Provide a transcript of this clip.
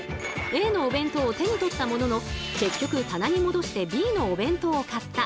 Ａのお弁当を手に取ったものの結局棚に戻してＢのお弁当を買った。